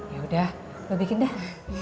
yaudah gue bikin dah